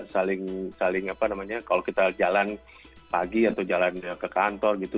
saling saling apa namanya kalau kita jalan pagi atau jalan ke kantor gitu